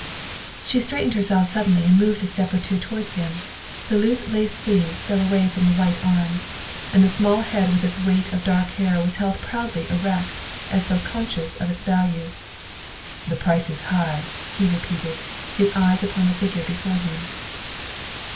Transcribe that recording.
She straightened herself suddenly and moved a step or two towards him. The loose lace sleeves fell away from the white arms and the small head with its weight of dark hair was held proudly erect, as though conscious of its value. " The price is high," he repeated, his eyes upon the figure before him.